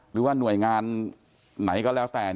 หรือว่าหน่วยงานไหนก็แล้วแต่